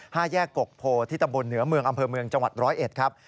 ห้าแยกกกโพที่ตำบลเหนือเมืองอำเภอเมืองจังหวัดร้อยเอ็ดครับ